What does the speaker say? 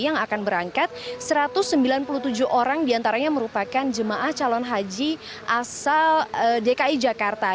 yang akan berangkat satu ratus sembilan puluh tujuh orang diantaranya merupakan jemaah calon haji asal dki jakarta